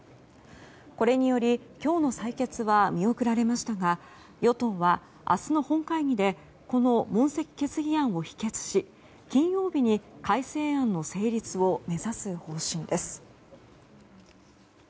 これにより今日の採決は見送られましたが与党は明日の本会議でこの問責決議案を否決し金曜日に改正案の成立を目指す方針です。